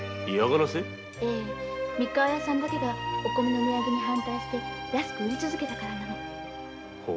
ええ三河屋さんだけが値上げに反対して安く売り続けたからなの。